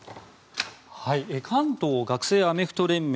関東学生アメフト連盟。